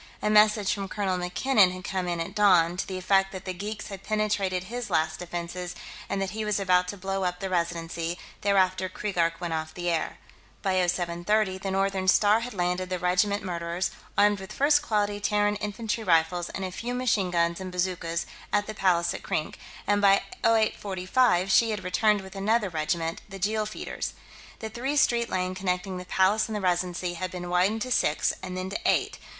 A message from Colonel MacKinnon had come in at dawn, to the effect that the geeks had penetrated his last defenses and that he was about to blow up the Residency; thereafter Keegark went off the air.... By 0730, the Northern Star had landed the regiment Murderers, armed with first quality Terran infantry rifles and a few machine guns and bazookas, at the Palace at Krink, and by 0845 she had returned with another regiment, the Jeel Feeders. The three lane street connecting the Palace and the Residency had been widened to six, and then to eight....